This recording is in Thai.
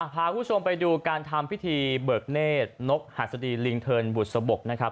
พาคุณผู้ชมไปดูการทำพิธีเบิกเนธนกหัสดีลิงเทินบุษบกนะครับ